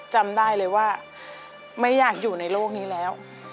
จำได้เลยว่าไม่อยากอยู่ในโลกนี้แล้ว